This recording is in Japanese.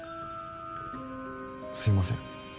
すみません。